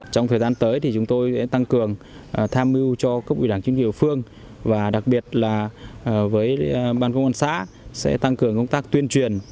trong thời gian tới thì chúng tôi sẽ tăng cường tham mưu cho cấp ủy đảng chính quyền địa phương và đặc biệt là với ban công an xã sẽ tăng cường công tác tuyên truyền